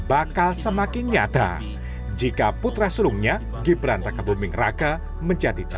bakal semakin nyata jika putra sulungnya gibran raka buming raka menjadi